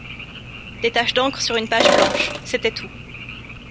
Des taches d’encre sur une page blanche, c’était tout.